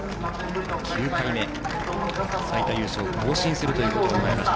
９回目、最多優勝を更新することになりました。